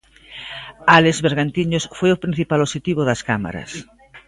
Álex Bergantiños foi o principal obxectivo das cámaras.